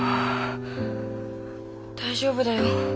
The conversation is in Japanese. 大丈夫だよ。